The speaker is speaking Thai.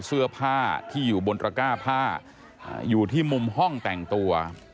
เสื้อผ้าที่อยู่บนตระก้าผ้าอยู่ที่มุมห้องแต่งตัว